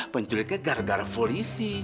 penculiknya gara gara polisi